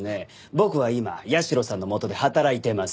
僕は今社さんの下で働いてます。